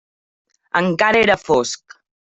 Encara era fosc.